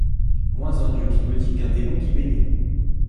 Moins un dieu qui maudit qu'un démon qui bénit.